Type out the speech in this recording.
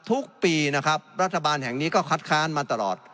ทุกปีนะครับรัฐบาลแห่งนี้ก็คัดค้านมาตลอด